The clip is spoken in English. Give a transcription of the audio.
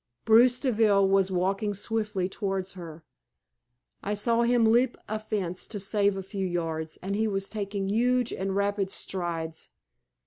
Bruce Deville was walking swiftly towards her. I saw him leap a fence to save a few yards, and he was taking huge and rapid strides.